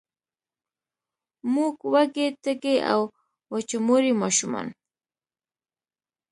موږ وږې، تږې او، وچموري ماشومان